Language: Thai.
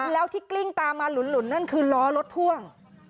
แล้วที่กลิ้งตามมาหลุนนั่นคือล้อรถพ่วง